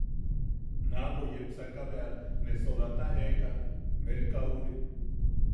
Naabo yepsaka bea ne sodata jeʼeka merkaowi.